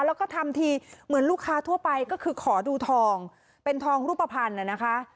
แล้วก็ทำทีเหมือนลูกค้าทั่วไปก็คือขอดูทองเป็นทองรูปภัณฑ์น่ะนะคะ